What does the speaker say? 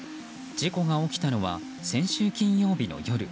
事故が起きたのは先週金曜日の夜。